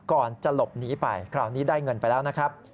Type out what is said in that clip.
ก่อนจะหลบหนีไปคราวนี้ได้เงินไปแล้วนะครับ